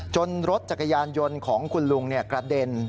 รถจักรยานยนต์ของคุณลุงกระเด็น